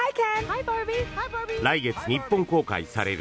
来月、日本公開される